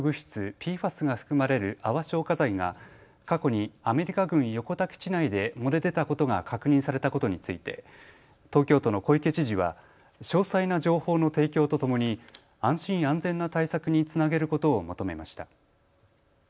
ＰＦＡＳが含まれる泡消火剤が過去にアメリカ軍横田基地内で漏れ出たことが確認されたことについて東京都の小池知事は詳細な情報の提供とともに安心安全な対策につなげることを求めました。